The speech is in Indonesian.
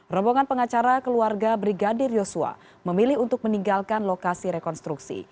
rombongan pengacara keluarga brigadir yosua memilih untuk meninggalkan lokasi rekonstruksi